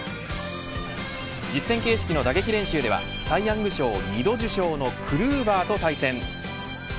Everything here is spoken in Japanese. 実戦形式の打撃練習ではサイ・ヤング賞２度受賞のクルーバーと対戦。